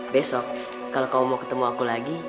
besok kalau kamu mau ketemu aku lagi